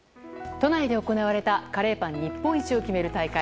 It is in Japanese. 都内で行われたカレーパン日本一を決める大会。